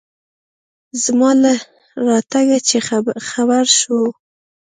زما له راتگه چې خبر سو.